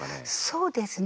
そうですね。